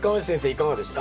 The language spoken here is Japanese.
いかがでした？